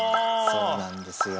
そうなんですよ。